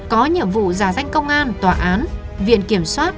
có nhiệm vụ giả danh công an tòa án viện kiểm soát